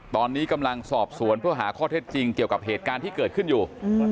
ตอนนี้กำลังสอบสวนเพื่อหาข้อเท็จจริงเกี่ยวกับเหตุการณ์ที่เกิดขึ้นอยู่